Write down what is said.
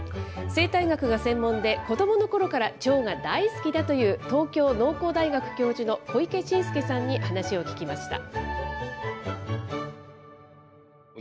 生態学が専門で、子どものころからチョウが大好きだという東京農工大学教授の小池伸介さんに話を聞きました。